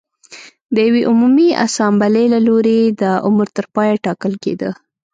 د یوې عمومي اسامبلې له لوري د عمر تر پایه ټاکل کېده